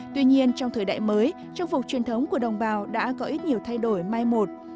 tuy nhiên trong thời đại mới trang phục truyền thống của đồng bào đã có ít nhiều thay đổi mai một